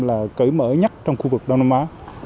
là cởi mở nhất trong khu vực đông nam á